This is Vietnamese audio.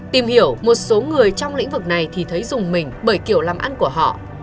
tìm hiểu một số người trong lĩnh vực này thì thấy dùng mình bởi kiểu làm ăn của họ